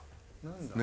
何？